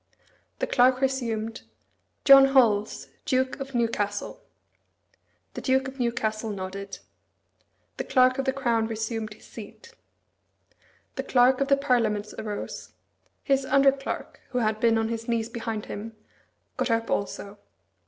The Clerk resumed, "John Holles, Duke of Newcastle." The Duke of Newcastle nodded. The Clerk of the Crown resumed his seat. The Clerk of the Parliaments arose. His under clerk, who had been on his knees behind him, got up also.